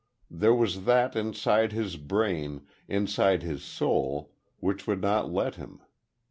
There was that inside his brain inside his soul which would not let him.